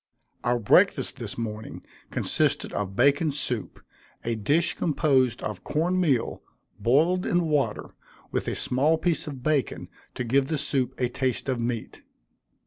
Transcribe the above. Our breakfast, this morning, consisted of bacon soup, a dish composed of corn meal, boiled in water, with a small piece of bacon to give the soup a taste of meat.